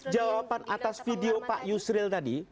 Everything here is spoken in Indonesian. jawaban atas video pak yusril tadi